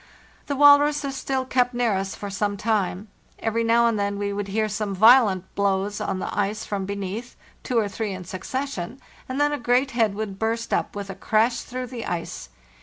The walruses still kept near us for some time. Every now and then we would hear some violent blows on the ice from beneath, two or three in succession, and then a great head would burst up with a crash through the ice.